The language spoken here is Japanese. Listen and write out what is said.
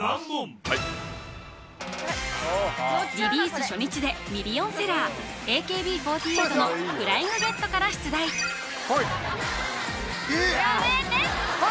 はいリリース初日でミリオンセラーＡＫＢ４８の「フライングゲット」から出題えっやめてはい